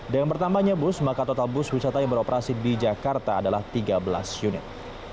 dengan bertambahnya bus maka total bus wisata yang beroperasi di jakarta adalah tiga belas unit